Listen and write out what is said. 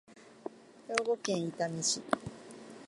兵庫県伊丹市